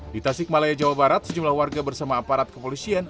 di tasik malaya jawa barat sejumlah warga bersama aparat kepolisian